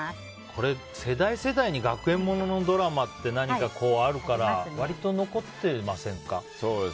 これ、世代世代に学園もののドラマって何かあるから割と残ってませんか。